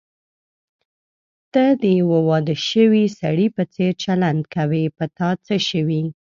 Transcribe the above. ته د یوه واده شوي سړي په څېر چلند کوې، په تا څه شوي؟